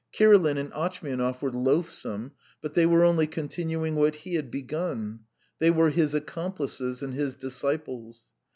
Kirilin and Atchmianov were loathsome, but they were only continuing what he had begun; they were his accomplices and his disciples.